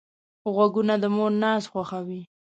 غوږونه د مور ناز خوښوي